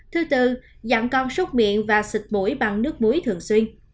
thứ tư dặn con xúc miệng và xịt mũi bằng nước muối thường xuyên